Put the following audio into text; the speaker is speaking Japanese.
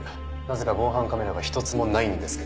なぜか防犯カメラが一つもないんですけど。